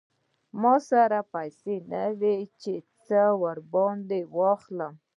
ما سره پیسې نه وې چې څه ور باندې واخلم.